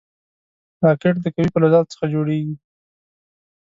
راکټ د قوي فلزاتو څخه جوړېږي